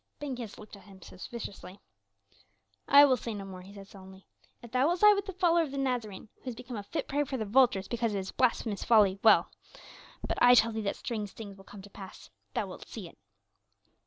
Ben Kish looked at him suspiciously. "I will say no more," he said sullenly. "If thou wilt side with the follower of the Nazarene, who is become a fit prey for the vultures because of his blasphemous folly, well. But I tell thee that strange things will come to pass. Thou wilt see it."